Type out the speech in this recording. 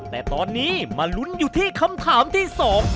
แต่ตอนนี้มาลุ้นอยู่ที่คำถามที่สอง